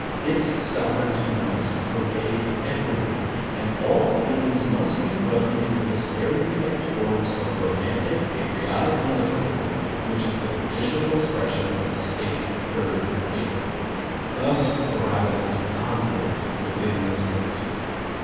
Its sovereignty must pervade every one, and all feeling must be run into the stereotyped forms of romantic patriotic militarism which is the traditional expression of the State herd feeling. Thus arises conflict within the State.